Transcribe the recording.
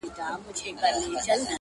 بې کفنه به ښخېږې، که نعره وا نه ورې قامه